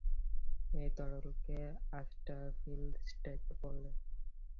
এ তরলকে আল্ট্রাফিলট্রেট বলে।